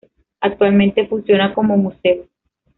Actualmente funciona como museo.